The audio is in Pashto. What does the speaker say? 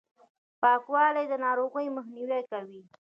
پاکوالي، د ناروغیو مخنیوی کوي.